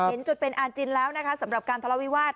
จนเป็นอาจินแล้วนะคะสำหรับการทะเลาวิวาส